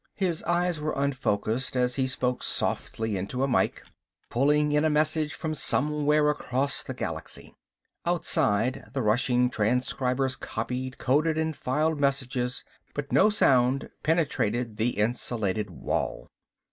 His eyes were unfocused as he spoke softly into a mike, pulling in a message from somewhere across the galaxy. Outside the rushing transcribers copied, coded and filed messages, but no sound penetrated the insulated wall.